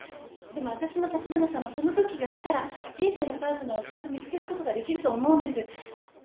でも私も立花さんもそのときが来たら人生のパートナーをちゃんと見つけることができると思うんです。